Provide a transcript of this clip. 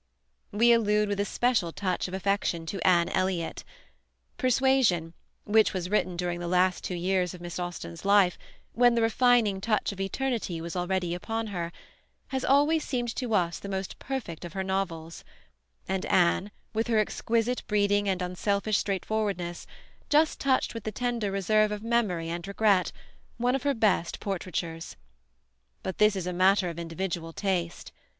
We allude with a special touch of affection to Anne Eliot. "Persuasion," which was written during the last two years of Miss Austen's life, when the refining touch of Eternity was already upon her, has always seemed to us the most perfect of her novels; and Anne, with her exquisite breeding and unselfish straightforwardness, just touched with the tender reserve of memory and regret, one of her best portraitures. But this is a matter of individual taste.